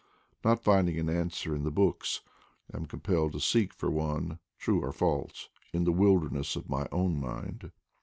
Not finding an answer in the books, I am compelled to seek for one, true or false, in the wilderness of my own mind.